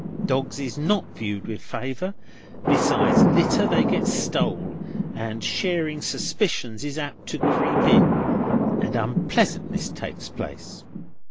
"Dogs is not viewed with favour. Besides litter, they gets stole, and sharing suspicions is apt to creep in, and unpleasantness takes place."